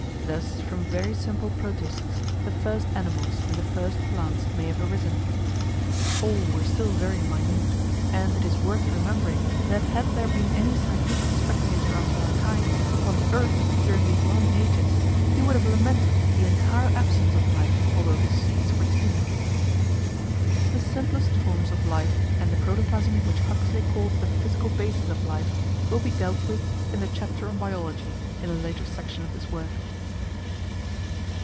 Thus from very simple Protists the first animals and the first plants may have arisen. All were still very minute, and it is worth remembering that had there been any scientific spectator after our kind upon the earth during these long ages, he would have lamented the entire absence of life, although the seas were teeming. The simplest forms of life and the protoplasm which Huxley called the physical basis of life will be dealt with in the chapter on Biology in a later section of this work.